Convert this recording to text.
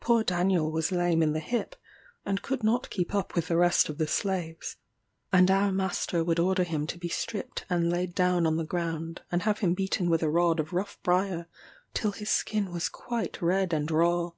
Poor Daniel was lame in the hip, and could not keep up with the rest of the slaves; and our master would order him to be stripped and laid down on the ground, and have him beaten with a rod of rough briar till his skin was quite red and raw.